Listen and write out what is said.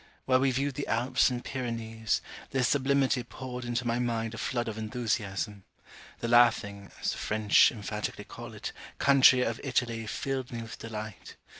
While we viewed the Alps and Pyrenees, their sublimity poured into my mind a flood of enthusiasm. The laughing (as the French emphatically call it) country of Italy filled me with delight.